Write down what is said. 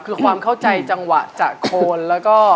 คือความเข้าใจจังหวะจากโคนแล้วก็